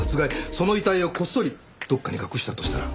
その遺体をこっそりどこかに隠したとしたら。